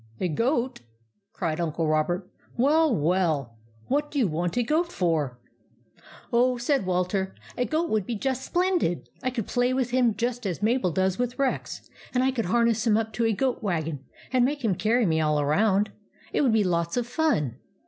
" A goat I " cried Uncle Robert. " Well, well ! What do you want a goat for ?"" Oh," said Walter, " a goat would be just splendid ! I could play with him just as Mabel does with Rex; and I could har ness him up to a goat wagon, and make him carry me all around. It would be lots of fun